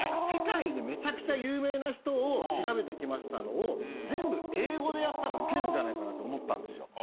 世界でめちゃくちゃ有名な人を調べてきましたのを全部英語でやったらウケるんじゃないかと思ったんです。